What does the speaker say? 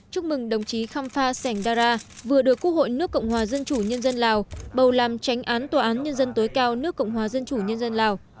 chúc mừng đồng chí kham pha sảnhda ra vừa được quốc hội nước cộng hòa dân chủ nhân dân lào bầu làm tránh án tòa án nhân dân tối cao nước cộng hòa dân chủ nhân dân lào